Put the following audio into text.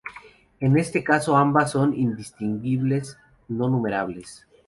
En este caso ambas son indistinguibles, no numerables.